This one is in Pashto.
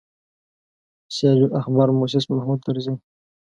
سراج الاخبار موسس محمود طرزي.